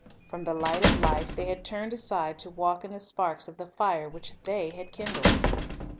From the Light of life they had turned aside to walk in the sparks of the fire which they had kindled.